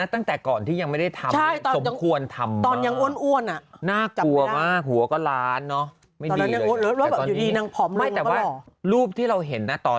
ตั้งแต่ก่อนที่ไม่ได้ทำสมควรทำมา